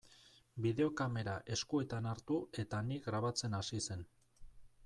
Bideokamera eskuetan hartu eta ni grabatzen hasi zen.